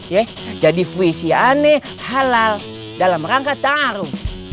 yeh jadi fuy si aneh halal dalam rangka taruh